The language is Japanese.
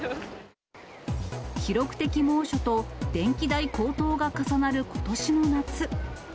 記録的猛暑と、電気代高騰が重なることしの夏。